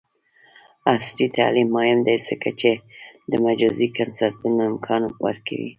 عصري تعلیم مهم دی ځکه چې د مجازی کنسرټونو امکان ورکوي.